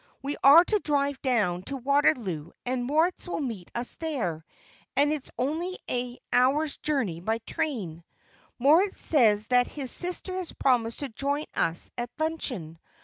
We are to drive down to Waterloo, and Moritz will meet us there, and it is only an hour's journey by train. Moritz says that his sister has promised to join us at luncheon.